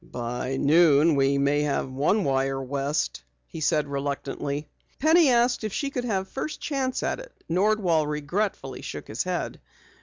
"By noon we may have one wire west," he said reluctantly. Penny asked if she could have first chance at it. Nordwall regretfully shook his head.